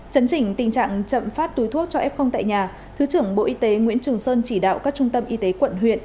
chấn chỉnh tình trạng chậm phát túi thuốc cho f tại nhà thứ trưởng bộ y tế nguyễn trường sơn chỉ đạo các trung tâm y tế quận huyện